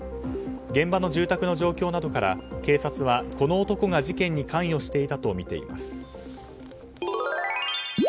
現場の住宅の状況などから警察は、この男が事件に関与していたとみています。